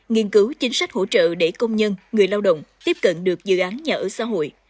nghiên cứu chính sách hỗ trợ để công nhân người lao động tiếp cận được dự án nhà ở xã hội